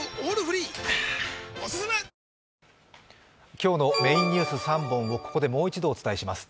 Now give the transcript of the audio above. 今日のメインニュース３本をもう一度お伝えします。